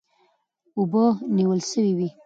اوبه نیول سوې وې.